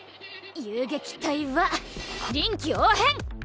遊撃隊は臨機応変！